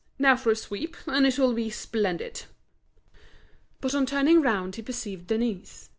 now for a sweep, and it'll be splendid!" But on turning round he perceived Denise.